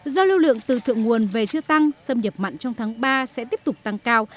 do lưu lượng từ thượng nguồn về chưa tăng xâm nhập mặn trong tháng ba sẽ tiếp tục tăng cao